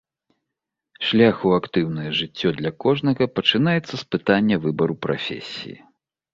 Шлях у актыўнае жыццё для кожнага пачынаецца з пытання выбару прафесіі.